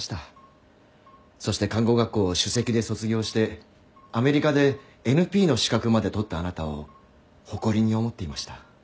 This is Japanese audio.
そして看護学校を首席で卒業してアメリカでＮＰの資格まで取ったあなたを誇りに思っていました。